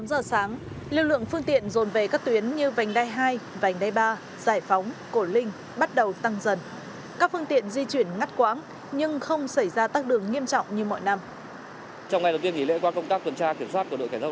tám giờ sáng lực lượng phương tiện dồn về các tuyến như vành đai hai vành đai ba giải phóng cổ linh bắt đầu tăng dần